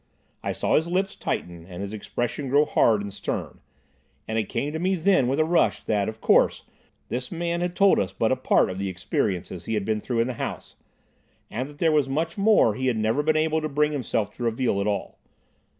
I saw his lips tighten and his expression grow hard and stern, and it came to me then with a rush that, of course, this man had told us but a part of the experiences he had been through in the house, and that there was much more he had never been able to bring himself to reveal at all.